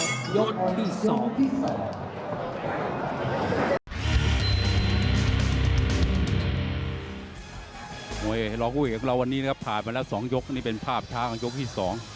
อุ้ยให้รอเวกับเราวันนี้นะครับผ่านออกกันแล้ว๒ยกนี่เป็นภาพทางยกที่๒